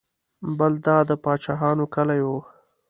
بل دا د پاچاهانو کلی و.